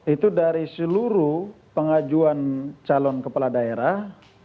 itu dari seluruh pengajuan calon kepala daerah